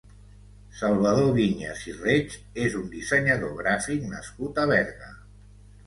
Salvador Vinyes i Reig és un dissenyador gràfic nascut a Berga.